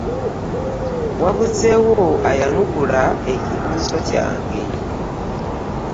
Wabuzeewo ayanukula ekibuuzo kyange?